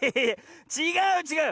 ちがうちがう！